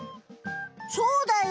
そうだよ！